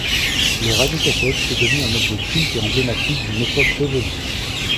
Le radio-cassette est devenu un objet culte et emblématique d'une époque révolue.